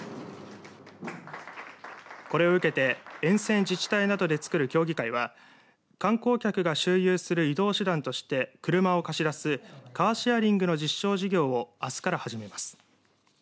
これを受けて沿線自治体などでつくる協議会は観光客が周遊する移動手段として車を貸し出すカーシェアリングの実証事業をあすから始めます。